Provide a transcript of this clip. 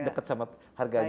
deket sama harganya